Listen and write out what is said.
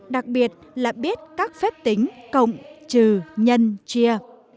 đặc biệt là biết các phép tính cộng trừ nhân chia